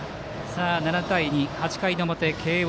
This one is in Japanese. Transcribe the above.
７対２、８回の表、慶応。